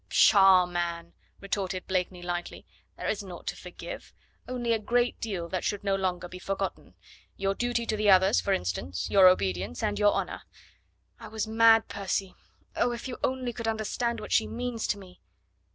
"Pshaw, man!" retorted Blakeney lightly; "there is naught to forgive, only a great deal that should no longer be forgotten; your duty to the others, for instance, your obedience, and your honour." "I was mad, Percy. Oh! if you only could understand what she means to me!"